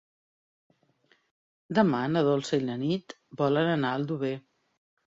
Demà na Dolça i na Nit volen anar a Aldover.